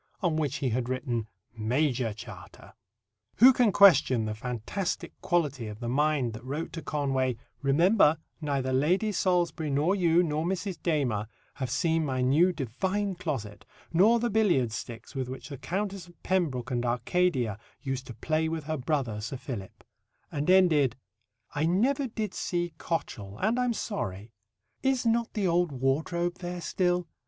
on which he had written "Major Charta." Who can question the fantastic quality of the mind that wrote to Conway: "Remember, neither Lady Salisbury nor you, nor Mrs. Damer, have seen my new divine closet, nor the billiard sticks with which the Countess of Pembroke and Arcadia used to play with her brother, Sir Philip," and ended: "I never did see Cotchel, and am sorry. Is not the old ward robe there still?